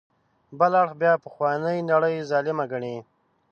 بل اړخ بیا پخوانۍ نړۍ ظالمه ګڼي.